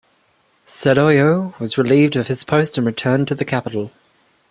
Sadayo was relieved of his post and returned to the capital.